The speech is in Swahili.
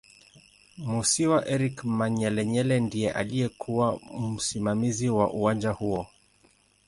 Musiiwa Eric Manyelenyele ndiye aliyekuw msimamizi wa uwanja huo